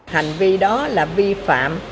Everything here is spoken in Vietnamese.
hành vi đó là vi phạm